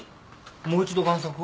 もう一度贋作を？